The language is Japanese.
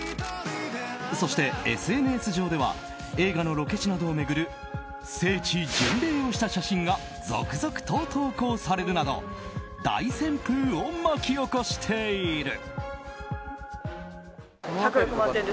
そしてＳＮＳ上では映画のロケ地などを巡る聖地巡礼をした写真が続々と投稿されるなど大旋風を巻き起こしている。